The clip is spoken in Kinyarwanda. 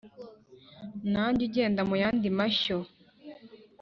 nanjye ugenda mu yandi mashyo